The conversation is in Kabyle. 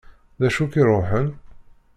D acu i k-iruḥen?